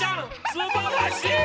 すばらしい！